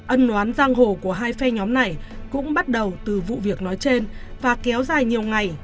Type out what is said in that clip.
ân oán giang hồ của hai phe nhóm này cũng bắt đầu từ vụ việc nói trên và kéo dài nhiều ngày